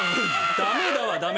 「ダメだ」はダメ。